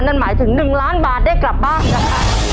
นั่นหมายถึงหนึ่งล้านบาทได้กลับบ้าน